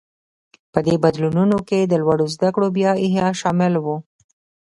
په دې بدلونونو کې د لوړو زده کړو بیا احیا شامل و.